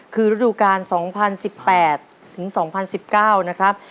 คือฤดูกาล๒๐๑๘ถึง๒๐๑๙นะครับ